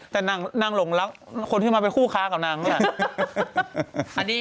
แต่นางหลงรักคนที่มาเป็นคู่ค้ากับนางนี่แหละ